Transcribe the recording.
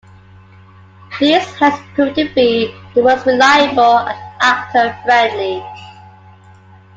These heads proved to be the most reliable and actor friendly.